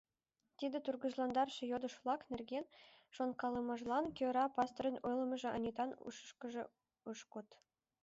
Тиде тургыжландарыше йодыш-влак нерген шонкалымыжлан кӧра пасторын ойлымыжо Анитан ушешыже ыш код.